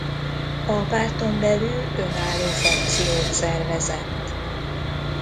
A párton belül önálló frakciót szervezett.